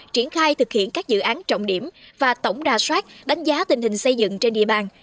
triển khai thực hiện các dự án trọng điểm và tổng đà soát đánh giá tình hình xây dựng trên địa bàn